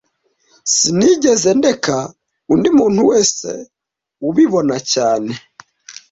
Sinigeze ndeka undi muntu wese ubibona cyane